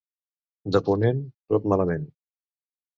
De ponent, tot malament.